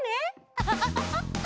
アハハハ！